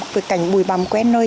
với cảnh bùi bằm quen nơi